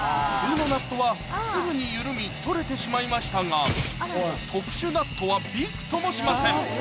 普通のナットはすぐに緩み取れてしまいましたが特殊ナットはびくともしません